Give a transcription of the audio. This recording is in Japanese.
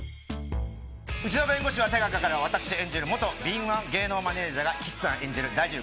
『うちの弁護士は手がかかる』は私演じる元敏腕芸能マネジャーが吉瀬さん演じる大女優